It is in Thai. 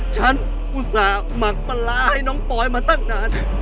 อุตส่าห์หมักปลาร้าให้น้องปอยมาตั้งนาน